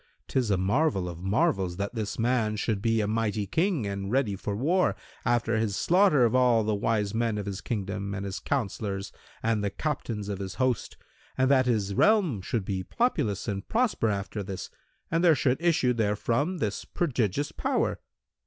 'tis a marvel of marvels that this man should be a mighty King and ready for war, after his slaughter of all the wise men of his kingdom and his counsellors and the captains of his host and that his realm should be populous and prosper after this and there should issue therefrom this prodigious power!